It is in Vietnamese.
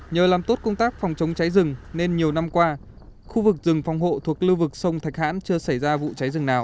nhờ làm tốt công tác phòng chống cháy rừng nên nhiều năm qua khu vực rừng phòng hộ thuộc lưu vực sông thạch hãn chưa xảy ra vụ cháy rừng nào